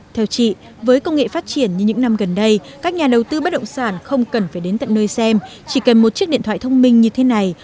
theo chị với công nghệ phát triển như những năm gần đây các nhà đầu tư bất động sản không cần phải đến tận nơi xem chỉ cần một chiếc điện thoại thông minh như thế này